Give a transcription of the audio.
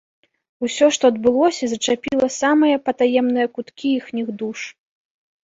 Усё, што адбылося, зачапіла самыя патаемныя куткі іхніх душ.